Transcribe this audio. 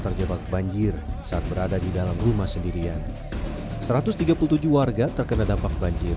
terjebak banjir saat berada di dalam rumah sendirian satu ratus tiga puluh tujuh warga terkena dampak banjir